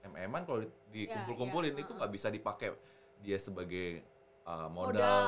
mm kalau dikumpul kumpulin itu nggak bisa dipakai dia sebagai modal